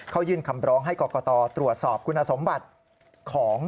เขายื่นคำร้องให้กรกตตรวจสอบคุณสมบัติของ